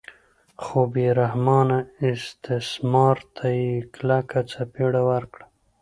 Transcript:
خو بې رحمانه استثمار ته یې کلکه څپېړه ورکړه.